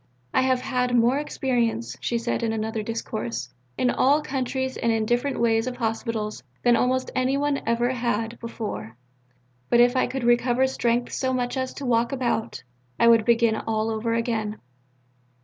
"I have had more experience," she said in another discourse, "in all countries and in different ways of Hospitals than almost any one ever had before; but if I could recover strength so much as to walk about, I would begin all over again.